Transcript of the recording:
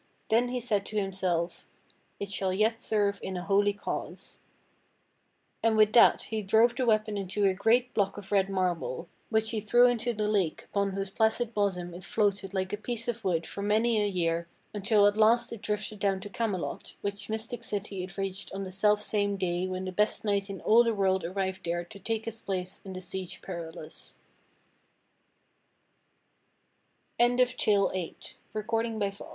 Then he said to himself: "It shall yet serve in a holy cause." And with that he drove the weapon into a great block of red marble which he threw into the lake upon whose placid bosom it floated like a piece of wood for many a year until at last it drifted down to Camelot which mystic city it reached on the self same day when the best knight in all the world arrived there to take his place in